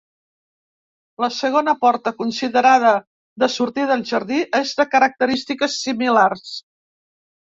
La segona porta, considerada de sortida al jardí, és de característiques similars.